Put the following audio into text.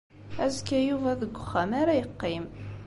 Azekka, Yuba deg uxxam ara yeqqim.